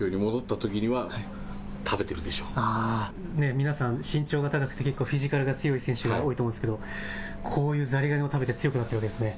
皆さん、身長が高くてフィジカルが強い選手が多いと思うんですけど、こういうザリガニを食べて強くなっているわけですね。